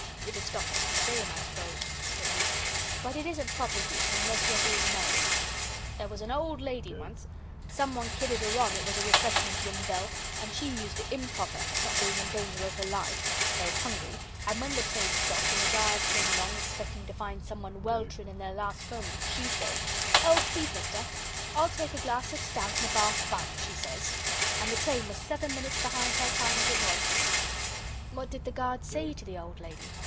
"It 'ud stop just the same, I suppose," said he, "but it isn't proper use unless you're being murdered. There was an old lady once someone kidded her on it was a refreshment room bell, and she used it improper, not being in danger of her life, though hungry, and when the train stopped and the guard came along expecting to find someone weltering in their last moments, she says, 'Oh, please, Mister, I'll take a glass of stout and a bath bun,' she says. And the train was seven minutes behind her time as it was." "What did the guard say to the old lady?"